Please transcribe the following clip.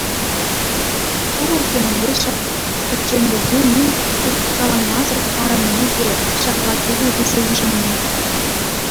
Ку вӑл темӗнле ҫак пӗчченлӗхе ним турткаланмасӑр парӑнни, тен ҫапла кирлӗ тесе йышӑнни.